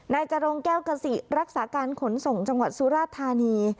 จรงแก้วกษิรักษาการขนส่งจังหวัดสุราธานี